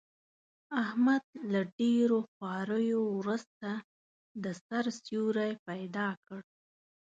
احمد له ډېرو خواریو ورسته، د سر سیوری پیدا کړ.